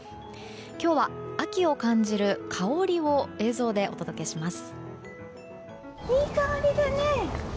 今日は秋を感じる香りを映像でお届けします。